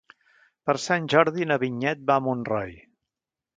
Per Sant Jordi na Vinyet va a Montroi.